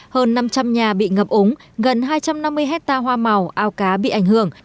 hơn năm trăm linh nhà bị ngập úng gần hai trăm năm mươi hectare hoa màu ao cá bị ảnh hưởng